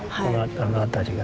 あの辺りがね。